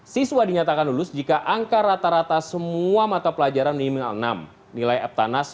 siswa dinyatakan lulus jika angka rata rata semua mata pelajaran minimal enam nilai eptanas